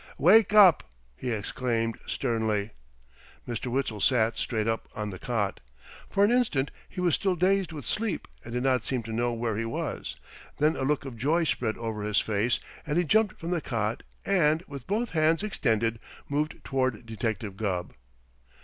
"Wake up!" he exclaimed sternly. Mr. Witzel sat straight up on the cot. For an instant he was still dazed with sleep and did not seem to know where he was; then a look of joy spread over his face and he jumped from the cot and, with both hands extended, moved toward Detective Gubb.